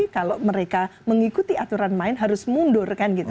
kalau mereka mengikuti aturan main harus mundur